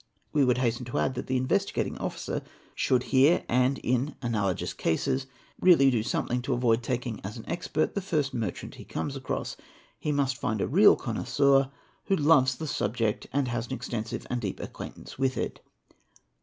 We would hasten to add that the Investigating Officer should here and in analogous cases really do something to avoid taking as an expert the first merchant he comes across; he must find a real connoisseur who loves the subject and has an extensive and deep acquaintance with it.